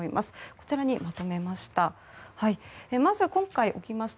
こちらにまとめました。